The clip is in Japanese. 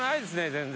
全然。